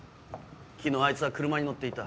昨日あいつは車に乗っていた。